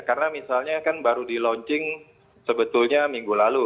karena misalnya kan baru di launching sebetulnya minggu lalu